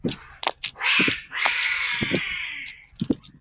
阿尔来旁圣日耳曼人口变化图示